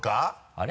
あれ？